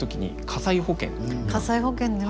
火災保険ね